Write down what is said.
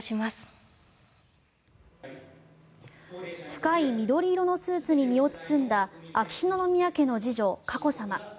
深い緑色のスーツに身を包んだ秋篠宮家の次女・佳子さま。